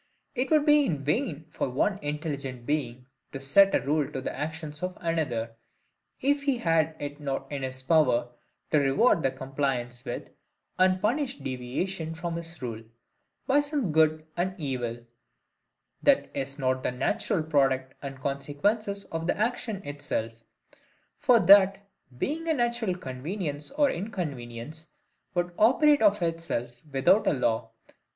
It would be in vain for one intelligent being to set a rule to the actions of another, if he had it not in his power to reward the compliance with, and punish deviation from his rule, by some good and evil, that is not the natural product and consequence of the action itself. For that, being a natural convenience or inconvenience, would operate of itself, without a law.